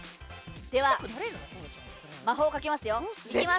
では、魔法をかけますよ。